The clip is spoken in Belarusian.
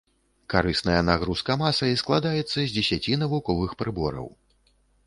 Карысная нагрузка масай складаецца з дзесяці навуковых прыбораў.